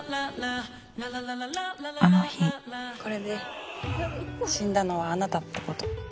あの日これで死んだのはあなたってこと。